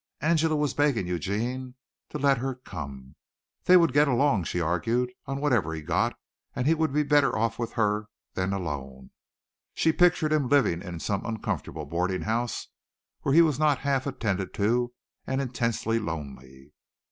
Angela was begging Eugene to let her come. They would get along, she argued, on whatever he got and he would be better off with her than alone. She pictured him living in some uncomfortable boarding house where he was not half attended to and intensely lonely.